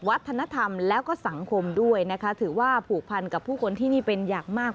วัฒนธรรมแล้วก็สังคมด้วยนะคะถือว่าผูกพันกับผู้คนที่นี่เป็นอย่างมาก